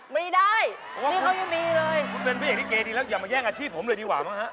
ไม่ได้เพราะว่าคุณเป็นเพียงที่เก๋ดีอย่ามาแย่งอาชีพผมเลยดีหว่า